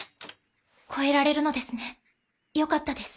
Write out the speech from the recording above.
越えられるのですねよかったです。